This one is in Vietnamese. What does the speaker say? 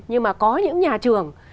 nhưng mà có những nhà trường